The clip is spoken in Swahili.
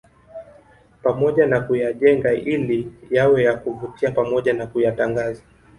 Pamoja na kuyajenga ili yawe ya kuvutia pamoja na kuyatangaza